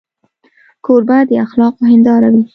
کوربه د اخلاقو هنداره وي.